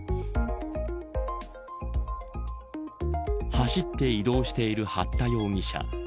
走って移動している八田容疑者。